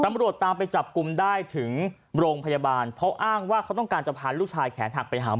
ตำรวจตามไปจับกลุ่มได้ถึงโรงพยาบาลเพราะอ้างว่าเขาต้องการจะพาลูกชายแขนหักไปหาหมอ